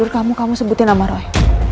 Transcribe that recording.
dulu kamu kamu sebutin nama roy